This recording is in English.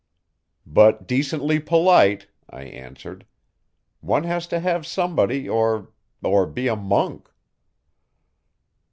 'But decently polite,' I answered. 'One has to have somebody or or be a monk.